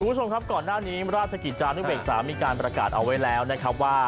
คุณผู้ชมครับก่อนหน้านี้ราชกิจจานุเบกษามีการประกาศเอาไว้แล้วนะครับว่า